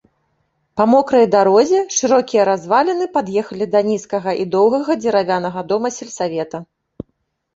Па мокрай дарозе шырокія разваліны пад'ехалі да нізкага і доўгага дзеравянага дома сельсавета.